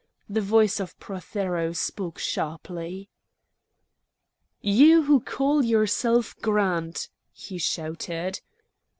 The voice of Prothero spoke sharply: "You, who call yourself Grant!" he shouted.